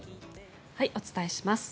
お伝えします。